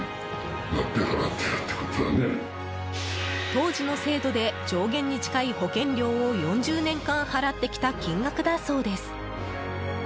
当時の制度で上限に近い保険料を４０年間払ってきた金額だそうです。